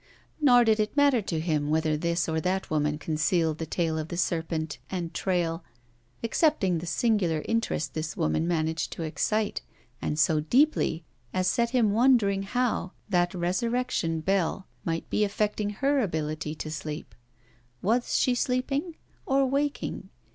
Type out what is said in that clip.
Nor did it matter to him whether this or that woman concealed the tail of the serpent and trail, excepting the singular interest this woman managed to excite, and so deeply as set him wondering how that Resurrection Bell might be affecting her ability to sleep. Was she sleeping? or waking?